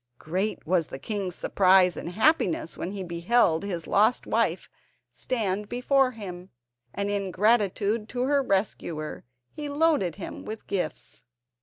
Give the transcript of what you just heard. Great was the king's surprise and happiness when he beheld his lost wife stand before him, and in gratitude to her rescuer he loaded him with gifts.